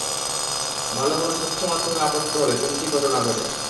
আলো কোনো স্বচ্ছ মাধ্যমে আপতিত হলে তিনটি ঘটনা ঘটে।